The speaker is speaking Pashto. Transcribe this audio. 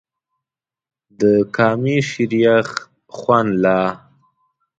د کامې شریخ خوند لا